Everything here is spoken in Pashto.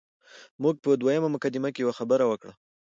موږ په دویمه مقدمه کې یوه خبره وکړه.